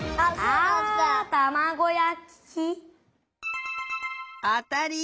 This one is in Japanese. あたまごやき？あたり！